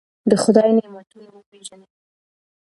د خدای نعمتونه وپېژنئ.